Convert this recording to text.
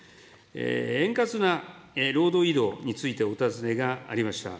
円滑な労働移動についてお尋ねがありました。